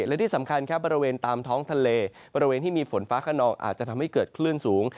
และที่สำคัญครับบริเวณตามท้องทะเลบริเวณที่มีฝนฟ้าขนองอาจจะทำให้เกิดคลื่นสูง